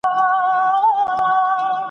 هسي نه چي څوک دي هی کړي په ګورم کي د غوایانو !.